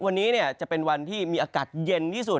วันนี้จะเป็นวันที่มีอากาศเย็นที่สุด